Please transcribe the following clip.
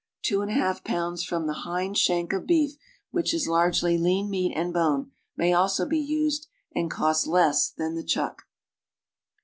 Two and a half pounds from the hind shank of beef, which is largely lean meat and bone, may also be used and costs less than the "chuck."